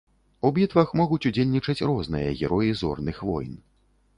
У бітвах могуць удзельнічаць розныя героі зорных войн.